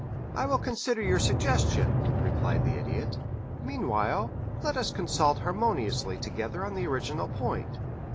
"I will consider your suggestion," replied the Idiot. "Meanwhile, let us consult harmoniously together on the original point.